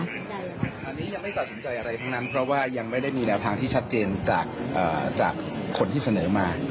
ตอนนี้ยังไม่ตัดสินใจอะไรทั้งนั้นเพราะว่ายังไม่ได้มีแนวทางที่ชัดเจนจากคนที่เสนอมา